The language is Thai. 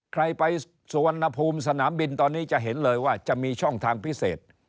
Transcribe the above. ใครไปสุวรรณภูมิสนามบินตอนนี้จะเห็นเลยว่าจะมีช่องทางพิเศษ